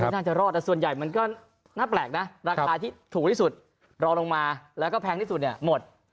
น่าจะรอดแต่ส่วนใหญ่มันก็น่าแปลกนะราคาที่ถูกที่สุดรอลงมาแล้วก็แพงที่สุดเนี่ยหมด